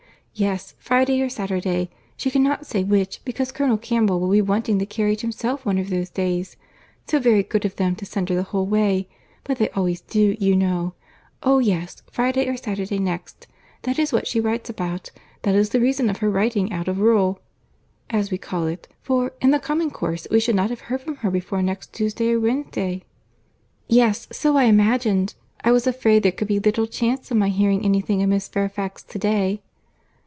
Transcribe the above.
Yes, Friday or Saturday; she cannot say which, because Colonel Campbell will be wanting the carriage himself one of those days. So very good of them to send her the whole way! But they always do, you know. Oh yes, Friday or Saturday next. That is what she writes about. That is the reason of her writing out of rule, as we call it; for, in the common course, we should not have heard from her before next Tuesday or Wednesday." "Yes, so I imagined. I was afraid there could be little chance of my hearing any thing of Miss Fairfax to day."